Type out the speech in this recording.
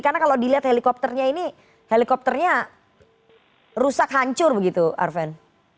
karena kalau dilihat helikopternya ini helikopternya rusak hancur begitu arven